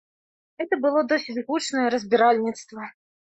Гэта было досыць гучнае разбіральніцтва.